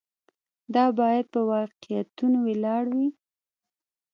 دا باید په واقعیتونو ولاړ وي.